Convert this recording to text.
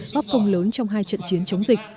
góp công lớn trong hai trận chiến chống dịch